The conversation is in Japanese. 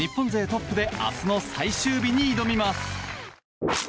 トップで明日の最終日に挑みます。